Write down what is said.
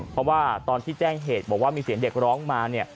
เพราะว่าตอนที่แจ้งเหตุบอกว่ามีเสียงเด็กร้องมาเนี่ย